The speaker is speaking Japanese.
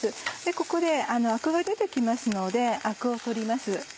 ここでアクが出て来ますのでアクを取ります。